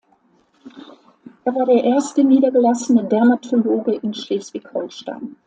Er war der erste niedergelassene Dermatologe in Schleswig-Holstein.